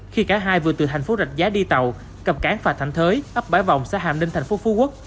khi cả hai vừa từ thành phố rạch giá đi tàu cầm cán và thành thới ấp bãi vòng xã hạm ninh thành phố phú quốc